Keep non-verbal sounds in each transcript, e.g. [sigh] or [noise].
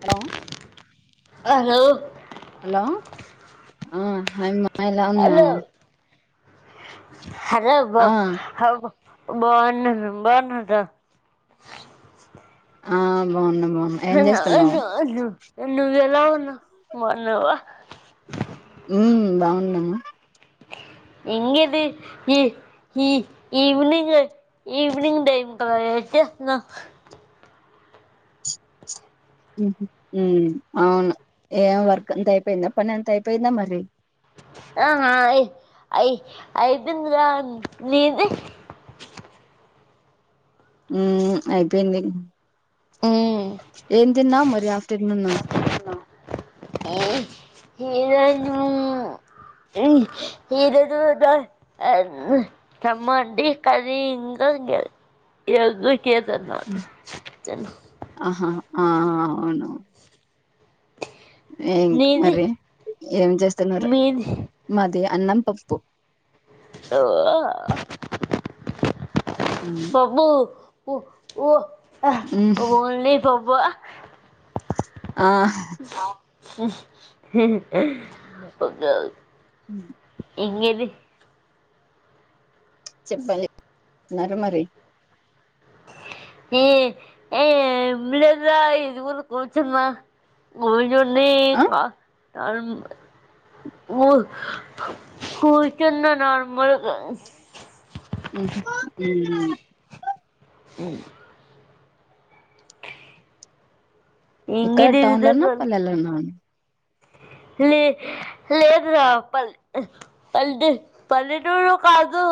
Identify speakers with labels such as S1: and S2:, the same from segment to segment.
S1: hello
S2: అరో
S1: hello హా hi మ్మ ఎలా ఉన్నావ్
S2: హదే బొ హవ్ బో బావున్నారు బావున్నారా
S1: ఆహ్ బావున్నాం
S2: హన్న అను అను నువ్వు ఎలా ఉన్నావ్ బ న్నావ
S1: హ్మ్ బావున్నాము
S2: ఇంగేది ఈ ఈ ఈవినింగ్ ఈవినింగ్ టైమ్ కదా ఏం చేస్తున్నావ్
S1: మ్మ్ అవును ఏం వర్క్ అంత అయిపోయిందా పని అంత అయిపోయిందా మరి
S2: ఐ ఐదుంది రా అన్ నీది
S1: మ్మ్ అయిపోయింది ఏ తిన్నావ్ మరి ఆఫ్టర్నూన్న
S2: [unintelligible] కే తన్న
S1: ఆహా ఆ అవును ఏం
S2: నీది
S1: మరి ఏం చేస్తున్నారు
S2: మీది
S1: మ దే అన్నం పప్పు
S2: ఓ
S1: ఉమ్
S2: పబ్బు ఓ ఓ
S1: ఉహ్
S2: వా
S1: ఆ
S2: ఇంగిది
S1: చెప్పండి న్నార మరి
S2: [unintelligible]
S1: ఆ
S2: యొన్నిస్ మా నార్ ఉ కూర్చున్న నార్మల్ గా
S1: ఉం
S2: ఉ
S1: ఇక్కడ
S2: ఇంకేంటి
S1: టౌన్ లో ఉన్నా
S2: విశేషాలు
S1: పల్లెలో ఉన్నా
S2: లే లేదురా పల్ట్ పల్లెటూరులో కాదు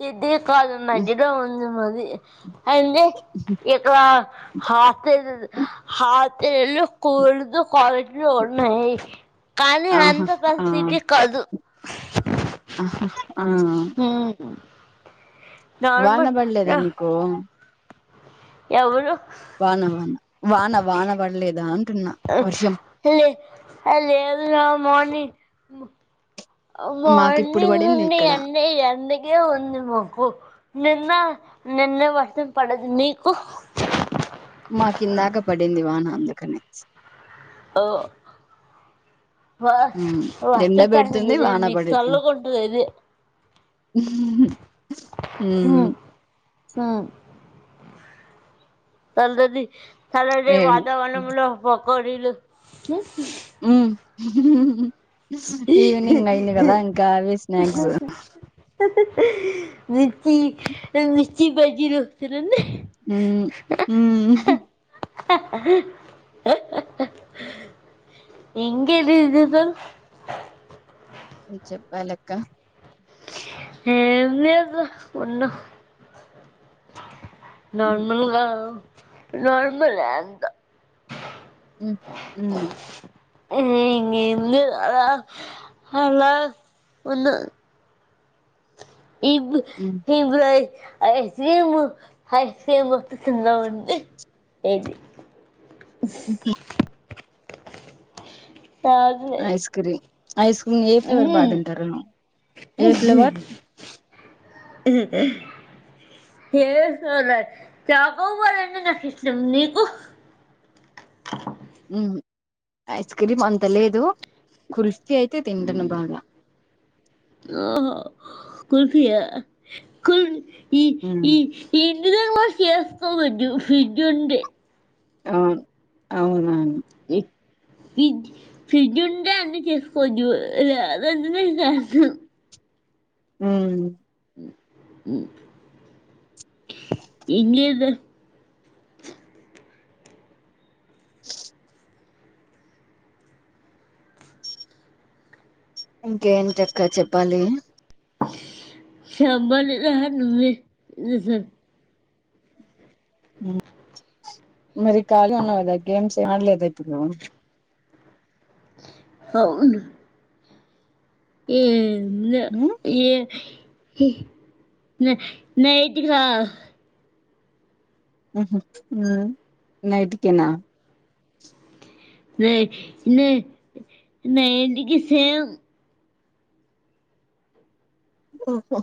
S2: కిద్ది కాదు మజ్జిగ ఉంది మ దే అ ఏందే ఇక్కడ హ హ తెళ్ళు స్కూల్దు కాలేజీలు ఉన్నాయి కానీ
S1: ఆహా
S2: అంత
S1: ఆ
S2: పరిస్థితి కదు
S1: ఆహా ఆ
S2: ఉ
S1: వానబడలేదా మీకు
S2: ఎవరు
S1: వానా వానా వాన వాన పడలేదా అ
S2: లే అ లేదు రా మార్నింగ్ మ్
S1: మాకు ఇప్పుడు
S2: మార్నింగ్
S1: పడింది
S2: నుండి
S1: ఇక్కడ
S2: ఎండే ఎండకే ఉంది మాకు నేన్ నిన్న వర్షం పడింది మీకు
S1: మా కిందాక పడింది వాన అందుకని
S2: ఓ
S1: ఎండ పెడుతుంది వాన
S2: మీకు
S1: పడుతుంది
S2: చల్లగా ఉంటది ఇది ఆ చల్దది చాల
S1: ఏం
S2: వతావరణంము కోల
S1: ఉ ఈవినింగ్ అయింది కదా ఇంకా అవి స్నాక్స్
S2: మిర్చి మిర్చీ బజీలు తినండి
S1: ఉ
S2: ఇంలి స
S1: చెప్పాలక్క
S2: ఏం లేదు వునం
S1: ఉమ్
S2: నార్మల్గా నార్మల్ ఎ అంత
S1: ఉమ్
S2: ఆ ఇ ఇందు అ అలా ఉన్న ఇబ
S1: ఉమ్
S2: ఇబ ఐస్క్రీం ఐస్క్రీం [unintelligible]
S1: ఇకే
S2: స అదిలే
S1: ఐస్ క్రీమ్ ఐస్ క్రీమ్ ఏ ఫ్లేవర్ బా తింటార ఏ ఫ్లేవర్
S2: ఏ చచోబర్ అంటే నాకు ఇష్టం నీకు
S1: ఐస్ క్రీమ్ అంత లేదు కుల్ఫి అయితే తింటను బాగా
S2: కుల్ఫీయా కుల్ ఈ
S1: ఉమ్
S2: ఈ ఏ ఇ చేస్త ఫ్రిడ్జ ఉంది
S1: అవును అవునును
S2: ఫడ్ ఫ్రిడ్జ ఉంట అన్ని చేసుకోవచు
S1: హ
S2: ఇంద
S1: ఇంకేంటిక్క చెప్పాలి
S2: [inaudible]
S1: మరి ఖాళీ ఉన్నా కదా గేమ్స్ ఏ ఆడలేద పిల్లు
S2: అవును ఏ
S1: ఉమ్
S2: ఏ నైట్ కి ర
S1: నైట్కినా
S2: న ఎంటికి సేమ్
S1: ఓహ